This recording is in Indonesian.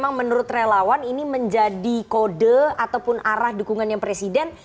yang menurut relawan ini menjadi kode ataupun arah dukungan yang presiden